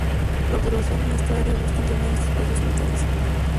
Las observaciones en esta área busca entender estos procesos mentales.